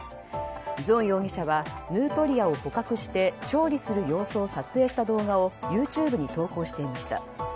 ズオン容疑者はヌートリアを捕獲して調理する様子を撮影した動画をＹｏｕＴｕｂｅに投稿していました。